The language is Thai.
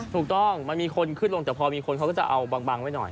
ถูกต้องมันมีคนขึ้นลงแต่พอมีคนเขาก็จะเอาบังไว้หน่อย